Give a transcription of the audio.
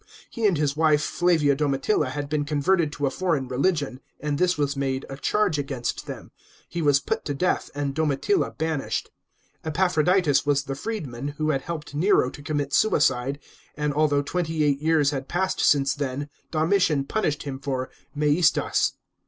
He and his wife Flavia Domitilla had been converted to a foreign religion, and this was made a charge against them. He was put to death and Domitilla banished. E| aphroditus was the freedman who had helped Nero to commit suicide, and, although twenty eight years had passed since then, Domitian punished him for maiestas.